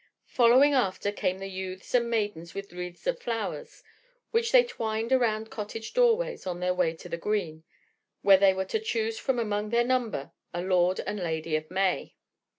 Following after came the youths and maidens with wreaths of flowers, which they twined around cottage doorways on their way to the green, where they were to choose from among their number a Lord and Lady of May.